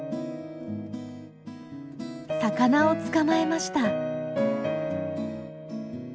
魚を捕まえました！